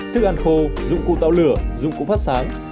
thức ăn khô dụng cụ tạo lửa dụng cụ phát sáng